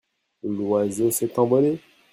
l'oiseau s'est envolé.